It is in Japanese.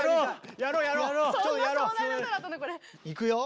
いくよ？